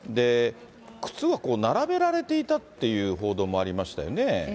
靴がこう並べられていたっていう報道もありましたよね。